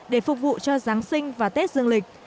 để phục vụ cho giáng sinh và tết dương lịch